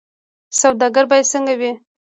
سوداګر باید څنګه وي؟